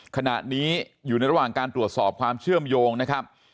ขณะนี้อยู่ในระหว่างการตรวจสอบความเชื่อมโยงนะครับ